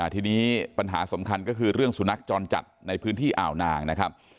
ทีนี้ปัญหาสำคัญก็คือเรื่องสุนัขจรจัดในพื้นที่อ่าวนางนะครับ